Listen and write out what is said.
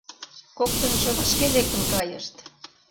Коктынжо вашке лектын кайышт.